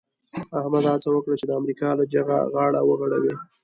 احمد هڅه وکړه چې د امریکا له جغه غاړه وغړوي.